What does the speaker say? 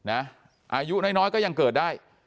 อายุน้อยก็ยังเกิดได้